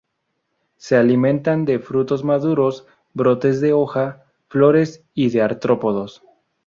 Se alimentan de frutos maduros, brotes de hojas, flores y de artrópodos.